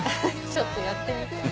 ちょっとやってみた。